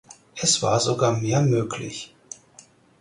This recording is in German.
Es war sogar mehr möglich.